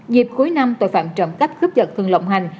dịp cuối năm tội phạm trộm cắp khớp giật thường lộng hành